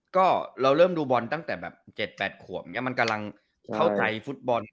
ก็เราเริ่มดูบอลตั้งแต่แบบ๗๘ขวบอย่างนี้มันกำลังเข้าใจฟุตบอล